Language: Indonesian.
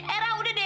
arah sudah deh